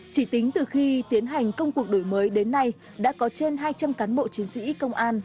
chỉ tính từ khi tiến hành công cuộc đổi mới đến nay đã có trên hai trăm linh cán bộ chiến sĩ công an